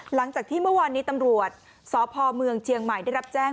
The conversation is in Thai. หลังจากที่เมื่อวานนี้ตำรวจสพเมืองเชียงใหม่ได้รับแจ้ง